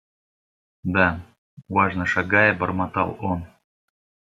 – Да, – важно шагая, бормотал он.